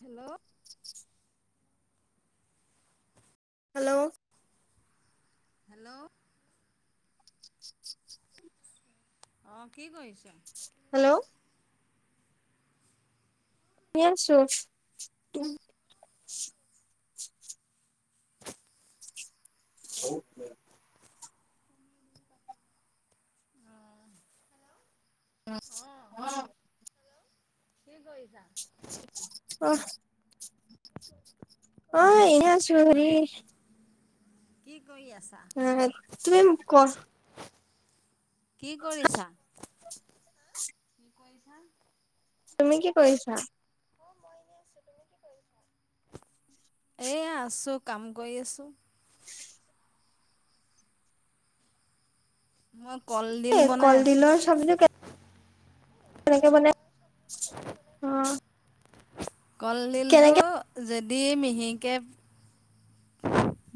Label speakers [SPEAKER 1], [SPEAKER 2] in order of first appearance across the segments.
[SPEAKER 1] Hello?
[SPEAKER 2] Hello?
[SPEAKER 1] Hello? অঁ কি কৰিছে?
[SPEAKER 2] হেল্ল'? শুনি আছো। [unintelligible] অ অ।
[SPEAKER 1] কি কৰিছা?
[SPEAKER 2] অহ অ এনে আছো হেৰি
[SPEAKER 1] কি কৰি আছা?
[SPEAKER 2] এহে, তুমি কচ
[SPEAKER 1] কি কৰিছা? কি কৰিছা?
[SPEAKER 2] তুমি কি কৰিছা?
[SPEAKER 1] এয়া আছো, কাম কৰি আছো। মই কলডিল
[SPEAKER 2] এ
[SPEAKER 1] বনাই
[SPEAKER 2] কল
[SPEAKER 1] আছোঁ।
[SPEAKER 2] দিলৰ সবজি কেনেকে বনাই অ?
[SPEAKER 1] কলডিলটো
[SPEAKER 2] কেনেকে
[SPEAKER 1] যদি মিহিকে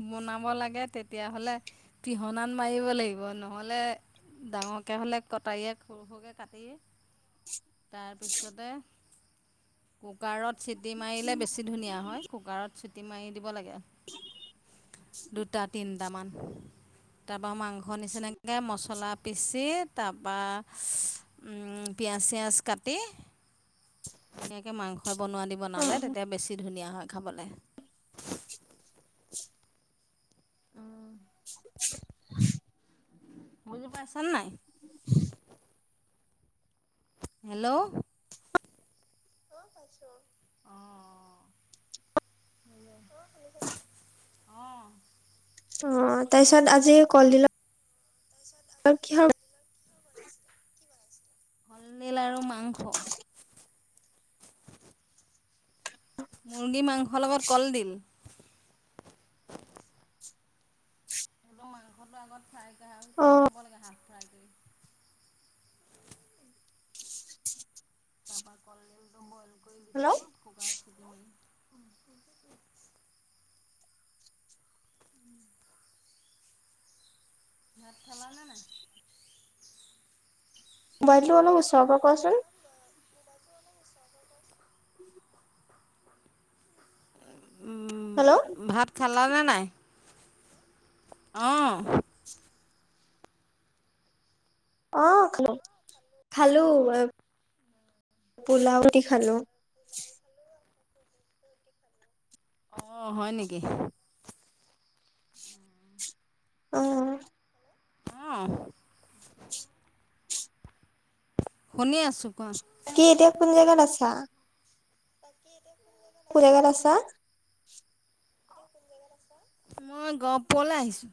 [SPEAKER 1] বনাব লাগে তেতিয়া হলে পিহনাত মাৰিব লাগিব নহলে ডাঙৰকে হ'লে কটাৰীয়ে সৰু সৰুকে কাটি তাৰপিছতে? কুকাৰত চিটি মাৰিলে বেছি ধুনীয়া হয়, কুকাৰত চিটি মাৰি দিব লাগে। দুটা, তিনিটামান তাৰপৰা মাংস নিচিনাকে মছলা পিচি তাৰপৰা ইচ উম পিঁয়াজ - চিয়াজ কাটি ধুনীয়াকে মাংসই বনোৱা দি
[SPEAKER 2] অ
[SPEAKER 1] বনালে তেতিয়া বেছি ধুনীয়া হয় খাবলে। উম বুজি পাইছানে নাই? হেল্ল'? অ পাইছো অ, অ অ। [unintelligible] অ।
[SPEAKER 2] অ তাৰ পিছত আজি কলডিল
[SPEAKER 1] তাৰপিছত আ
[SPEAKER 2] অ কিহ
[SPEAKER 1] কলদিল আৰু মাংস। মুৰ্গী মাংসৰ লগত কলডিল এই মাংসটো আগত ফ্ৰাই কৰি আউট
[SPEAKER 2] অ
[SPEAKER 1] কৰি থ'ব লাগে হাফ ফ্ৰাই কৰি [unintelligible] কৰি
[SPEAKER 2] হেল্ল'?
[SPEAKER 1] [unintelligible] ভাত খালা নে নাই?
[SPEAKER 2] মোবাইলটো অলপ ওচৰৰ পৰা কোৱাচোন?
[SPEAKER 1] উম'
[SPEAKER 2] হেল্ল'
[SPEAKER 1] ভাত খালানে নাই অ
[SPEAKER 2] অ খালো খালো পোলাও দি খালোঁ
[SPEAKER 1] অ' হয় নেকি?
[SPEAKER 2] অ
[SPEAKER 1] অঁ। শুনি আছোঁ কোৱা
[SPEAKER 2] বাকী এতিয়া কোন জেগাত আছা
[SPEAKER 1] বাকী এতিয়া কোন জেগাত
[SPEAKER 2] [unintelligible] আছা
[SPEAKER 1] মই গহপুৰলে আহিছোঁ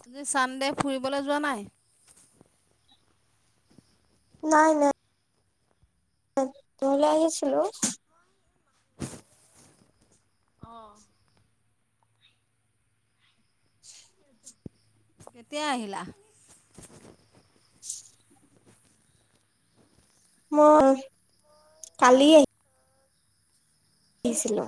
[SPEAKER 1] আজি চানদে ফুৰিবলে যোৱা নাই
[SPEAKER 2] নাই নাই ঘৰলৈ আহিছিলোঁ
[SPEAKER 1] অ কেতিয়া আহিলা
[SPEAKER 2] মই কালি আহি ছিলোঁ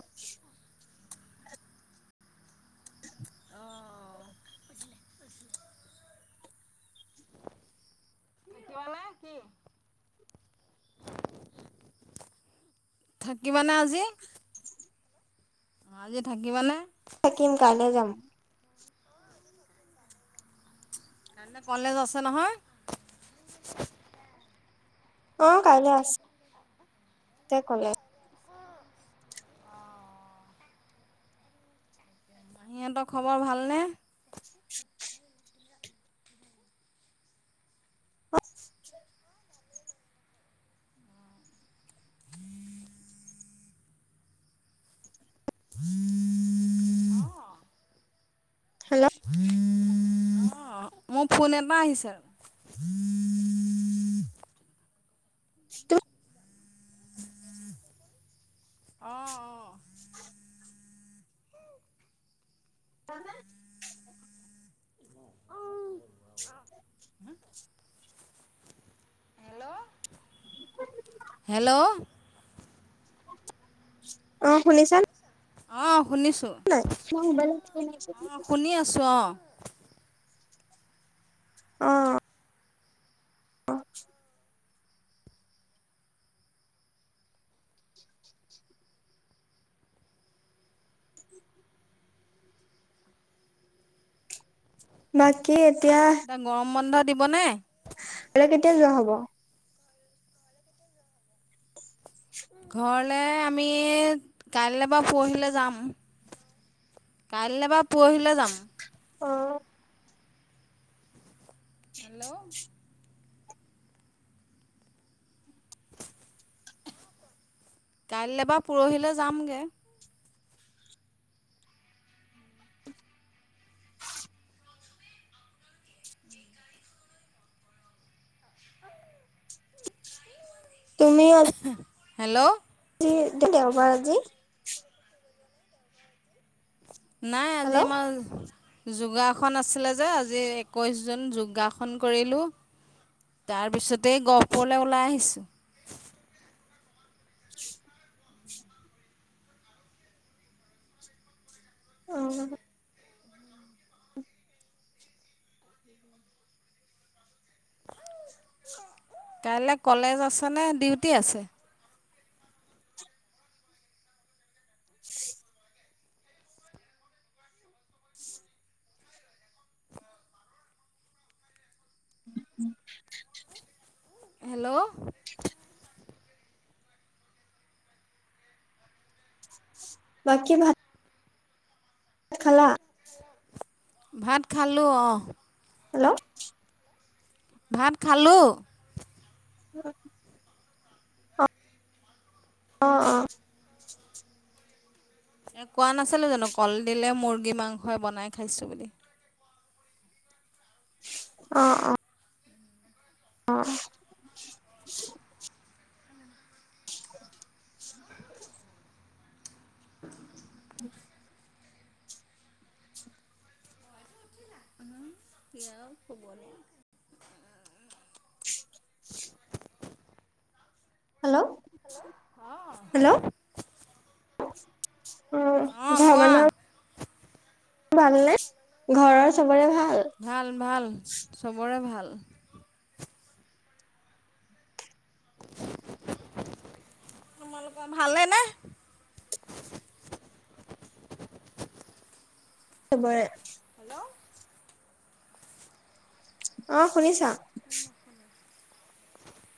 [SPEAKER 2] [inaudible]
[SPEAKER 1] [unintelligible] কি থাকিবানে আজি অ আজি থাকিবানে
[SPEAKER 2] থাকিম কাইলৈ যাম
[SPEAKER 1] কাইলে কলেজ আছে নহয়
[SPEAKER 2] অ কাইলৈ আছ তে কলে
[SPEAKER 1] মাহীহঁতৰ খবৰ ভালনে?
[SPEAKER 2] হেল্ল'
[SPEAKER 1] অঁ মোৰ ফোন এটা আহিছে অ অ
[SPEAKER 2] কাম নাই।
[SPEAKER 1] হেল্ল' হেল্ল'
[SPEAKER 2] অ শুনিছা
[SPEAKER 1] অ শুনিছোঁ।
[SPEAKER 2] নাই মই মোবাইলৰ [unintelligible]
[SPEAKER 1] ছোঁ অ'
[SPEAKER 2] অ অ'। বাকী এতিয়া
[SPEAKER 1] [unintelligible] গৰম বন্ধ দিবনে?
[SPEAKER 2] ঘৰলে কেতিয়া যোৱা হ'ব?
[SPEAKER 1] ঘৰলে আমি কাইলৈ বা পৰহিলে যাম। কাইলৈ বা পৰহিলৈ যাম।
[SPEAKER 2] অ'।
[SPEAKER 1] হেল্ল'? কাইলৈ বা পৰহিলৈ যামগৈ। [unintelligible]
[SPEAKER 2] তুমি আজ
[SPEAKER 1] হেল্ল'?
[SPEAKER 2] [unintelligible] দেওবাৰ আজি।
[SPEAKER 1] নাই আজি
[SPEAKER 2] হেল্ল'
[SPEAKER 1] আমাৰ যোগাসন আছিলে যে আজি একৈছ জুন যোগাসন কৰিলোঁ। তাৰপিছতেই গহপুৰলৈ ওলাই আহিছোঁ।
[SPEAKER 2] অ'।
[SPEAKER 1] কাইলে কলেজ আছে নে ডিউটি আছে?
[SPEAKER 2] [inaudible]
[SPEAKER 1] হেল্ল'?
[SPEAKER 2] বাকী ভাত খালা?
[SPEAKER 1] ভাত খালো অ'।
[SPEAKER 2] হেল্ল'?
[SPEAKER 1] ভাত খালো।
[SPEAKER 2] [inaudible] অ অ', অ'।
[SPEAKER 1] এ, কোৱা নাছিলো জানো কল দিলে, মুৰ্গী মাংসই বনাই খাইছো বুলি।
[SPEAKER 2] অ', অ'। অ'। [inaudible]
[SPEAKER 1] [inaudible]
[SPEAKER 2] [inaudible]
[SPEAKER 1] [unintelligible]
[SPEAKER 2] হেল্ল'? হেল্ল? অ',
[SPEAKER 1] অঁ
[SPEAKER 2] ঘৰৰ
[SPEAKER 1] কোৱা
[SPEAKER 2] মানুহৰ ভালনে, ঘৰৰ চবৰে ভাল?
[SPEAKER 1] ভাল, ভাল চবৰে ভাল। তোমালোকৰ ভালে নে?
[SPEAKER 2] চবৰে।
[SPEAKER 1] হেল্ল'?
[SPEAKER 2] অ', শুনিছা?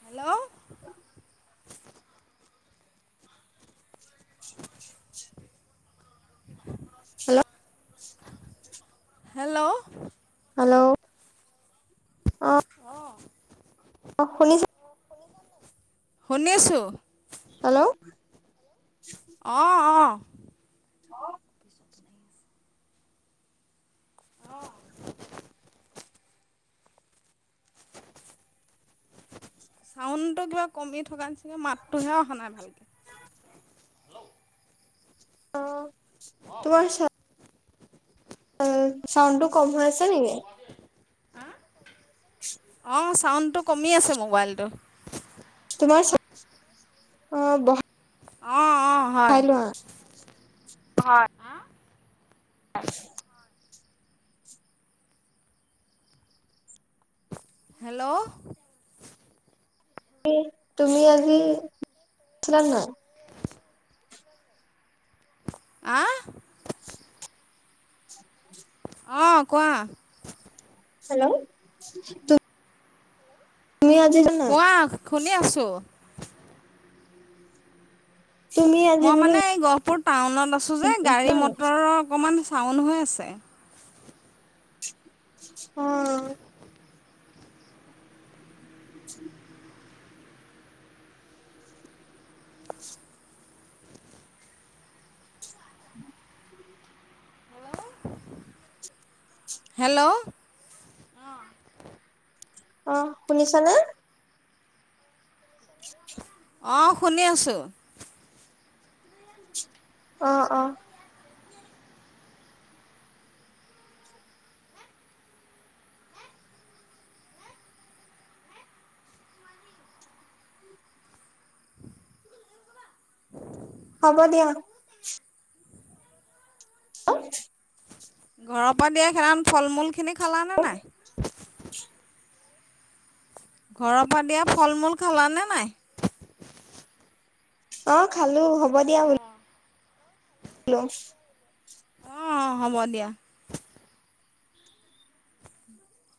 [SPEAKER 1] হেল্ল'?
[SPEAKER 2] হেল্ল'?
[SPEAKER 1] হেল্ল'?
[SPEAKER 2] হেল্লৌ'
[SPEAKER 1] অঁ'
[SPEAKER 2] অঁ' শুনিছা।
[SPEAKER 1] শুনিছো।
[SPEAKER 2] হেল্লৌ'
[SPEAKER 1] অঁ অঁ'
[SPEAKER 2] অ'
[SPEAKER 1] অঁ' চাউণ্ডটো কিবা কমি থকাৰ নিচিনা, মাতটোহে অহা নাই ভালকে।
[SPEAKER 2] অঁ, তোমাৰ চা- অ, চাউণ্ডটো কম হৈ আছে নেকি?
[SPEAKER 1] হাঁ? অঁ' চাউণ্ডটো কমি আছে মোবাইলটো।
[SPEAKER 2] তোমাৰ চা অঁ বহা-
[SPEAKER 1] অঁ' অঁ' হয়
[SPEAKER 2] হাই লোৱা। হয় [unintelligible]
[SPEAKER 1] হেল্লৌ'
[SPEAKER 2] ই তুমি আজি উঠিলানে নাই।
[SPEAKER 1] আঁ' অঁ' কোৱা।
[SPEAKER 2] হেল্লৌ' তু- তুমি আজি যা-
[SPEAKER 1] কোৱা, শুনি আছো।
[SPEAKER 2] তুমি আজি
[SPEAKER 1] মই
[SPEAKER 2] বোলো
[SPEAKER 1] মানে এই গহপুৰ টাউনত আছোঁ যে গাড়ী মটৰৰ অকমান চাউণ্ড হৈ আছে।
[SPEAKER 2] অঁ' [inaudible]
[SPEAKER 1] হেল্লৌ'
[SPEAKER 2] অঁহ শুনিছানে?
[SPEAKER 1] অঁ' শুনি আছো।
[SPEAKER 2] অঁ' অঁ' হ'ব দিয়া। অ'
[SPEAKER 1] ঘৰপা দিয়া সেইদিনাখন ফল-মূল খিনি খালা নে নাই? ঘৰপা দিয়া ফল-মূল খালা নে নাই?
[SPEAKER 2] অঁ' খালো হ'ব দিয়া বুল- লো।
[SPEAKER 1] অঁ অঁ' হ'ব দিয়া। [inaudible]